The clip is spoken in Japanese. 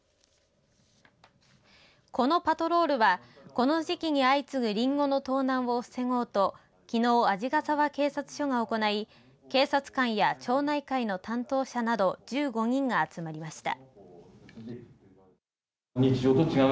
このパトロールはこの時期に相次ぐりんごの盗難を防ごうときのう鯵ヶ沢警察署が行い警察官や町内会の担当者など１５人が集まりました。